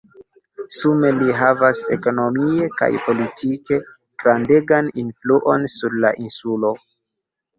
Sume li havas ekonomie kaj politike grandegan influon sur la insulo.